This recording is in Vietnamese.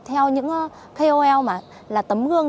theo những kol mà là tấm gương